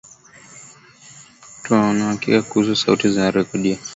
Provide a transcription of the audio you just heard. watu wana uhakika kuhusu sauti zinazorekodiwa